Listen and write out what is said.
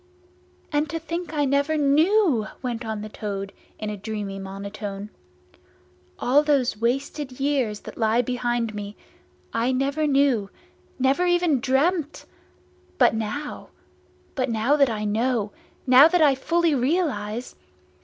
"And to think I never knew!" went on the Toad in a dreamy monotone. "All those wasted years that lie behind me, I never knew, never even dreamt! But now—but now that I know, now that I fully realise!